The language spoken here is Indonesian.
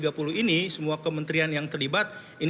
semua disiplin semua konsisten menjalankan inisiatif ini